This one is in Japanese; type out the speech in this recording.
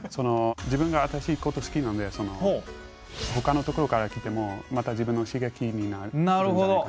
自分が新しいこと好きなんでほかのところから来てもまた自分の刺激になるんじゃないかな。